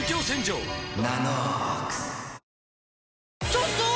ちょっとー！